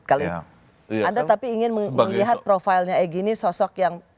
anda tapi ingin melihat profilnya egy ini sosok yang